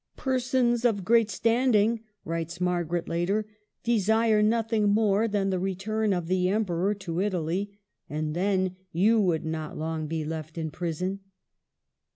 ''Persons of great standing," writes Margaret later, "desire nothing more than the return of the Emperor to Italy ; and then you would not long be left in prison